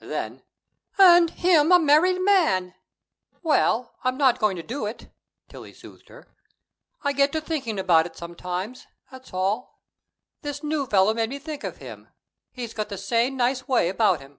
Then: "And him a married man!" "Well, I'm not going to do it," Tillie soothed her. "I get to thinking about it sometimes; that's all. This new fellow made me think of him. He's got the same nice way about him."